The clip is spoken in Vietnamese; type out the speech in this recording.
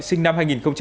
sinh năm hai nghìn hai